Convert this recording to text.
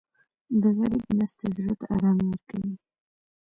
د غریب مرسته زړه ته ارامي ورکوي.